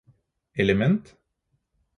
element